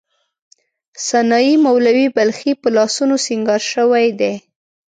سنايي، مولوی بلخي په لاسونو سینګار شوې دي.